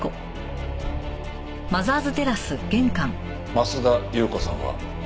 増田裕子さんは？